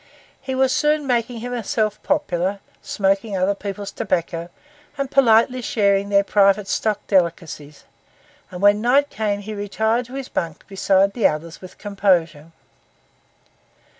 He was soon making himself popular, smoking other people's tobacco, and politely sharing their private stock delicacies, and when night came he retired to his bunk beside the others with composure.